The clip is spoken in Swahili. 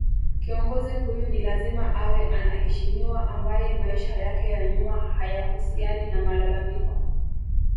Kiongozi huyu ni lazima awe anaheshimiwa ambaye maisha yake ya nyuma hayahusiani na malalamiko